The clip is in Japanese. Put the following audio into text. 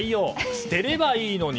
捨てればいいのに。